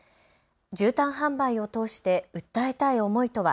じゅうたん販売を通して訴えたい思いとは。